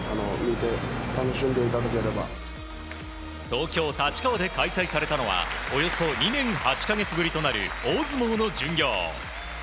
東京・立川で開催されたのはおよそ２年８か月ぶりとなる大相撲の巡業。